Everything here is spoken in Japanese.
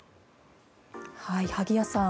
萩谷さん